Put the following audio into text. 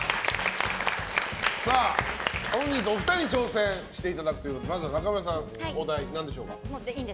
本日、お二人に挑戦していただきますがまずは中村さんのお題何でしょうか？